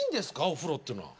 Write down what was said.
お風呂っていうのは。